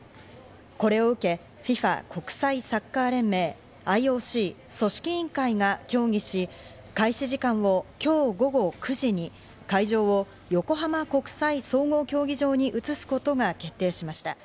これを受け、ＦＩＦＡ＝国際サッカー連盟、ＩＯＣ、組織委員会が協議し、開始時間を今日午後９時に、会場を横浜国際総合競技場に移すことが決定しました。